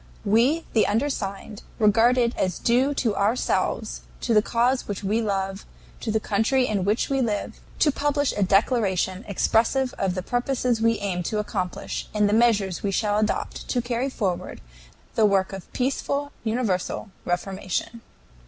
"We the undersigned, regard it as due to ourselves, to the cause which we love, to the country in which we live, to publish a declaration expressive of the purposes we aim to accomplish and the measures we shall adopt to carry forward the work of peaceful universal reformation.